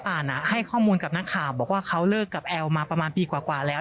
อ่านให้ข้อมูลกับนักข่าวบอกว่าเขาเลิกกับแอลมาประมาณปีกว่าแล้ว